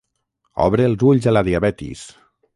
Obre els ulls a la diabetis